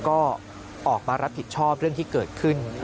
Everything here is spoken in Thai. ก็ออกมารับผิดชอบเรื่องที่เกิดขึ้น